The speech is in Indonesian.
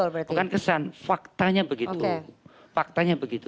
bukan kesan faktanya begitu